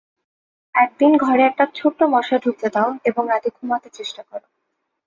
একদিন ঘরে একটা ছোট্ট মশা ঢুকতে দাও এবং রাতে ঘুমাতে চেষ্টা করো।